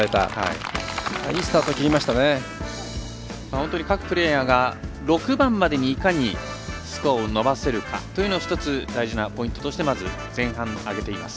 本当に各プレーヤーが６番までにいかにスコアを伸ばせるかというのが１つ大事なポイントとして前半、挙げています。